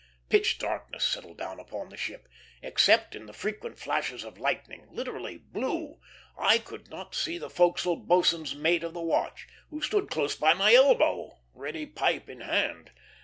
Pitch darkness settled down upon the ship. Except in the frequent flashes of lightning, literally blue, I could not see the forecastle boatswain's mate of the watch, who stood close by my elbow, ready pipe in hand.